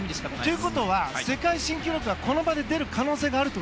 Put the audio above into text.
ということは世界新記録がこの場で出る可能性があると。